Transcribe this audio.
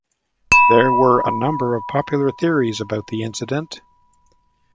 There were a number of popular theories about the incident.